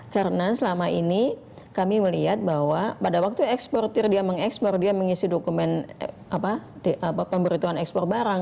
karena selama ini kami melihat bahwa pada waktu eksportir dia mengekspor dia mengisi dokumen pemberituan ekspor barang